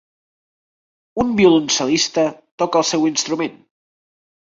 Un violoncel·lista toca el seu instrument.